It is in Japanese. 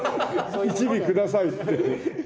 「１尾ください」って。